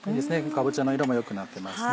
かぼちゃの色も良くなってますね。